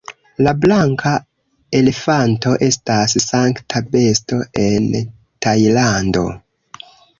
La blanka elefanto estas sankta besto en Tajlando.